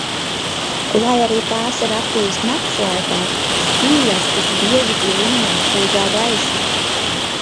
Lai arī tās ir aktīvas nakts laikā, spīļastes bieži vilina mākslīgā gaisma.